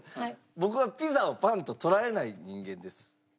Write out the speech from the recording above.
僕はピザをパンと捉えない人間です。